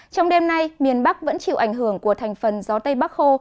trong đêm nay miền bắc vẫn chịu ảnh hưởng của thành phần gió tây bắc khô